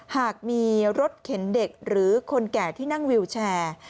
หากมีรถเข็นเด็กหรือคนแก่ที่นั่งวิวแชร์